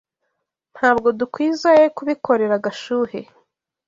Ntabwo dukwizoe kubikorera Gashuhe.